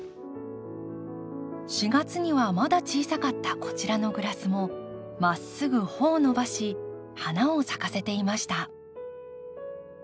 ４月にはまだ小さかったこちらのグラスもまっすぐ穂を伸ばし花を咲かせていました。